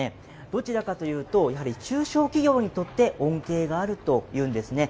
どちらかというと、やはり中小企業にとって恩恵があるというんですね。